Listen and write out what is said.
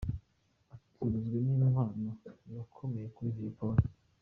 Atunzwe n’impano yakomoye kuri Jay Polly.